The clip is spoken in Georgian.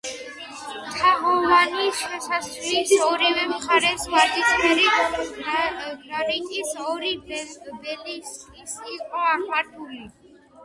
თაღოვანი შესასვლელის ორივე მხარეს ვარდისფერი გრანიტის ორი ობელისკი იყო აღმართული.